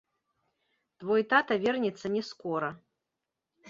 Твой тата вернецца не скора.